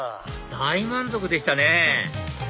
大満足でしたね